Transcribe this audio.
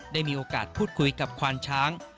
ได้มีโอกาสพูดคุยกับควานช้าง